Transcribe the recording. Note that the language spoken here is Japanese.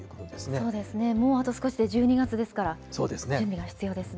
そうですね、もうあと少しで１２月から、準備が必要ですね。